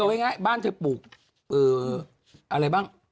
คืออย่างไรบ้านเธอปลูกอะไรบ้าง